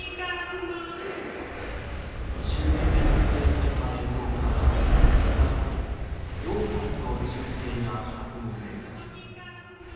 周辺で撮影された映像からは少なくとも４発の銃声が確認できます。